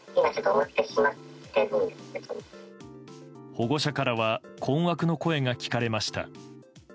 保護者からは困惑の声が聞かれました。